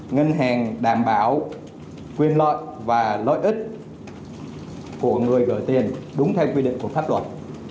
ngân hàng đảm bảo quyền lợi và lợi ích của người đổi tiền đúng theo quy định của pháp luật